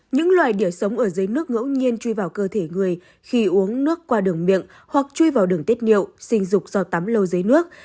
những loài điểu sống ở dưới nước ngẫu nhiên truy vào cơ thể người khi uống nước qua đường miệng hoặc chui vào đường tiết niệu sinh dục do tắm lâu dưới nước